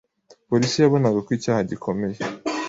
Polisi yabonaga ko icyaha gikomeye.